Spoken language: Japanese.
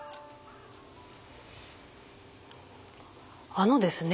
あのですね